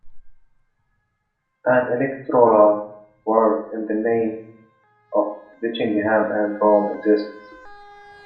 An electoral ward in the name of Ditchingham and Broome exists.